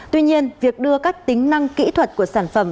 tuy nhiên việc đưa các tính năng kỹ thuật của sản phẩm